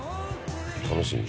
楽しみ」